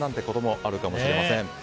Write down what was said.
こともあるかもしれません。